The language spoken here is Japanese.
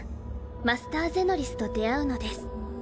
マスター・ゼノリスと出会うのです。